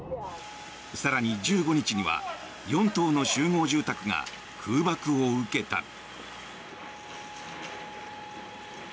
更に１５日には４棟の集合住宅が空爆を受けた。